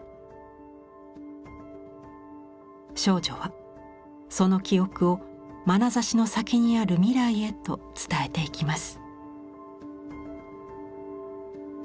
少女はその記憶をまなざしの先にある未来へと伝えていきます。